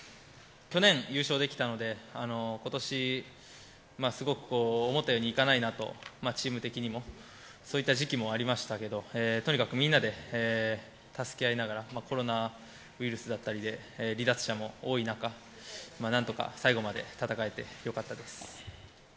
去年、優勝できたので今年すごく思ったようにいかないなとチーム的にもそういった時期もありましたがとにかく、みんなで助け合いながらコロナウイルスだったりで離脱者も多い中何とか最後まで戦えてよかったです。